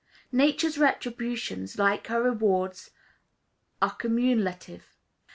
Nature's retributions, like her rewards, are cumulative.